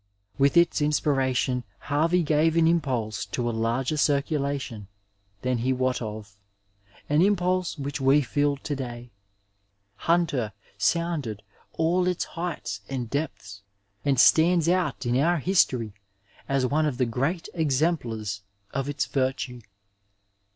With its inspiration Harvey gave an im pulse to a larger circulation than he wot of, an impulse which we feel to day. Hunter sounded all its heights and depths, and stands out in our history as one of the great exemplars of its virtue.